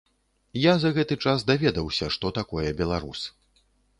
Я за гэты час даведаўся, што такое беларус.